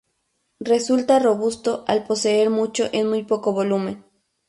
Resulta robusto al poseer mucho en muy poco volumen.